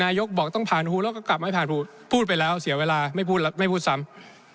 นายกบอกต้องผ่านฮูลแล้วก็กลับมาให้ผ่านฮูลพูดไปแล้วเสียเวลาไม่พูดซ้ำ